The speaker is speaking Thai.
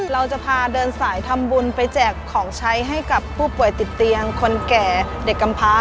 เราจะพาเดินสายทำบุญไปแจกของใช้ให้กับผู้ป่วยติดเตียงคนแก่เด็กกำพา